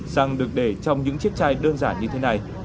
rằng được để trong những chiếc chai đơn giản như thế này